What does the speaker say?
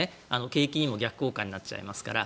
景気にも逆効果になっちゃいますから。